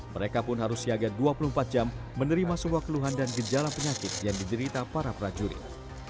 mereka pun harus siaga dua puluh empat jam menerima semua keluhan dan gejala penyakit yang diderita para prajurit